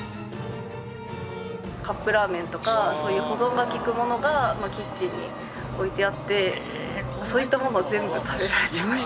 カップラーメンとかそういう保存が利くものがキッチンに置いてあってそういったもの全部食べられていました。